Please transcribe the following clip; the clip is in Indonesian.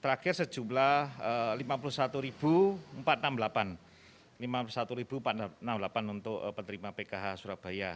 terakhir sejumlah rp lima puluh satu empat ratus enam puluh delapan untuk penerima pkh surabaya